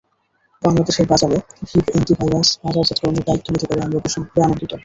বাংলাদেশের বাজারে Reeve anti virus বাজারজাতকরণের দায়িত্ব নিতে পেরে আমরা ভীষণভাবে আনন্দিত।